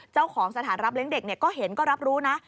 เจ้าของสถานรับเลี้ยงเด็กก็เห็นก็รับรู้นะ